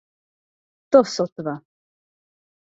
To sotva!